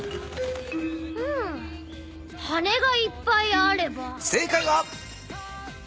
うん羽根がいっぱいあれば。